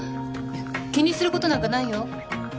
気にすることなんかないよ。